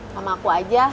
sama aku aja